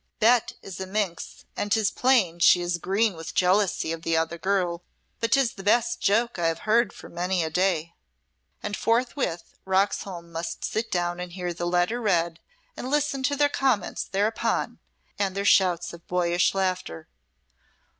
Bet is a minx, and 'tis plain she is green with jealousy of the other girl but 'tis the best joke I have heard for many a day." And forthwith Roxholm must sit down and hear the letter read and listen to their comments thereupon, and their shouts of boyish laughter.